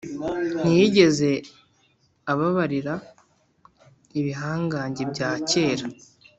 Ntiyigeze ababarira ibihangange bya kera